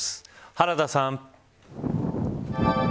原田さん。